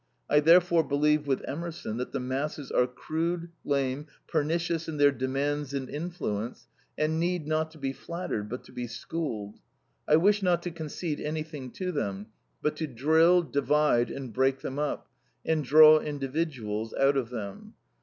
I therefore believe with Emerson that "the masses are crude, lame, pernicious in their demands and influence, and need not to be flattered, but to be schooled. I wish not to concede anything to them, but to drill, divide, and break them up, and draw individuals out of them.